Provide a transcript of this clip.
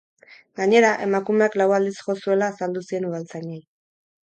Gainera, emakumeak lau aldiz jo zuela azaldu zien udaltzainei.